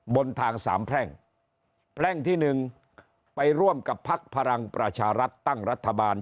บนทางสามแพร่งแพร่งที่หนึ่งไปร่วมกับพักพลังประชารัฐตั้งรัฐบาล